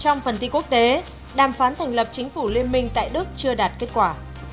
trong phần tin quốc tế đàm phán thành lập chính phủ liên minh tại đức chưa đạt kết quả